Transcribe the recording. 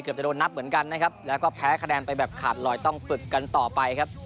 จะโดนนับเหมือนกันนะครับแล้วก็แพ้คะแนนไปแบบขาดลอยต้องฝึกกันต่อไปครับ